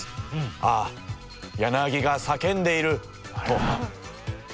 「ああヤナギが叫んでいる！」と。